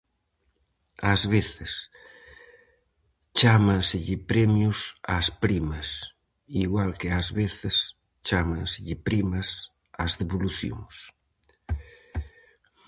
Ás veces chámanselle premios ás primas, igual que ás veces chámanselle primas ás devolucións.